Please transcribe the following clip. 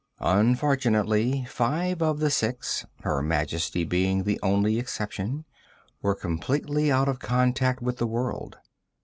Unfortunately, five of the six Her Majesty being the only exception were completely out of contact with the world.